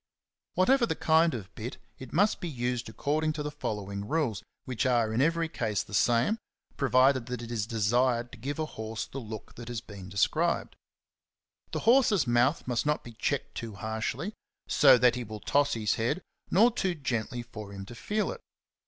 Whatever the kind of bit, it must be used according to the following rules, which are in every case the same, provided that it is desired to give a horse the look that has been described. The horse's mouth must not be checked too harshly, so that he will toss his head, nor too gently for him to feel it.